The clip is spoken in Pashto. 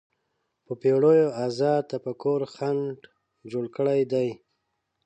په پېړیو ازاد تفکر خنډ جوړ کړی دی